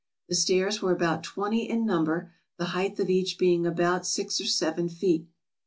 The stairs were about twenty in num ber, the height of each being about six or seven feet.